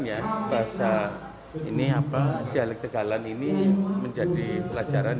bahasa jawa dialek tegalan ini menjadi pelajaran